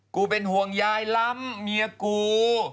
เป็นห่วงยายล้ำเมียกู